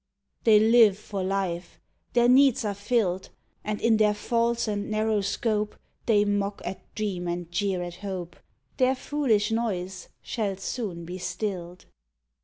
They live for life, their needs are filled, And in their false and narrow scope They mock at dream and jeer at hope ; Their foolish noise shall soon be stilled.